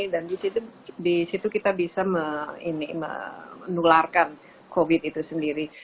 dan disitu kita bisa menularkan covid itu sendiri